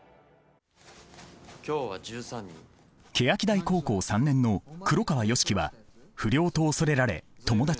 欅台高校３年の黒川良樹は不良と恐れられ友達はゼロ。